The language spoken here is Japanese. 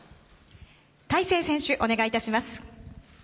大勢選手、お願いいたします。